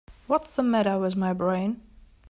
What's the matter with my brain?